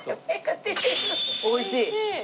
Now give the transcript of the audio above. おいしい？